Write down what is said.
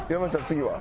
次は？